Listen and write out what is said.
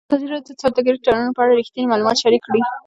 ازادي راډیو د سوداګریز تړونونه په اړه رښتیني معلومات شریک کړي.